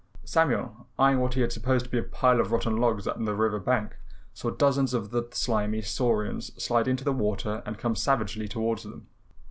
Samuel, eyeing what he had supposed to be a pile of rotten logs on the river bank, saw dozens of the slimy saurians slide into the water and come savagely toward them.